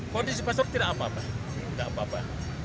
kondisi pastor tidak apa apa